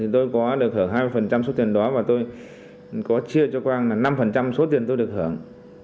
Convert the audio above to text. tôi có được hưởng hai mươi số tiền đó và tôi có chia cho quang là năm số tiền tôi được hưởng